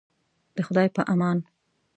د خدای په امان.